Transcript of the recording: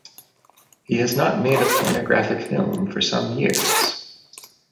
He has not made a pornographic film for some years.